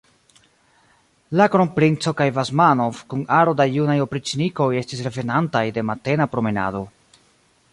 La kronprinco kaj Basmanov kun aro da junaj opriĉnikoj estis revenantaj de matena promenado.